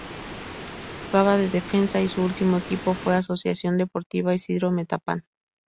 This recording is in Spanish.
Jugaba de defensa y su último equipo fue Asociación Deportiva Isidro Metapán.